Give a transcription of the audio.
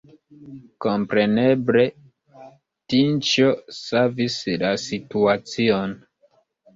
Kompreneble, Tinĉjo savis la situacion.